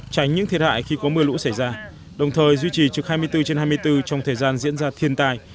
tránh những thiệt hại khi có mưa lũ xảy ra đồng thời duy trì trực hai mươi bốn trên hai mươi bốn trong thời gian diễn ra thiên tai